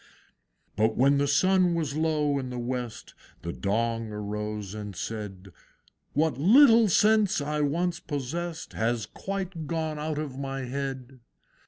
But when the sun was low in the West, The Dong arose and said, "What little sense I once possessed Has quite gone out of my head!"